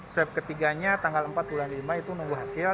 swab ketiganya tanggal empat bulan lima itu nunggu hasil